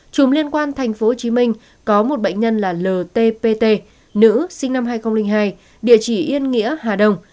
chùm liên quan tp hcm có một bệnh nhân là l t p t nữ sinh năm hai nghìn hai địa chỉ yên nghĩa hà đông